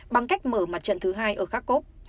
bằng cách mở mặt trận thứ hai ở kharkov